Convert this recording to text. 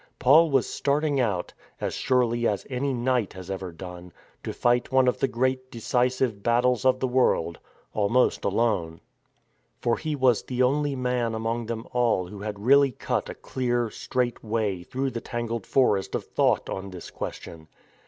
Paul was starting out — as surely as any knight has ever done — to fight one of the great decisive battles of the world, almost alone. For he was the only man among them all who had really cut a clear, straight way through the tangled forest of thought on this question.